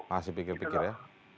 masih pikir pikir ya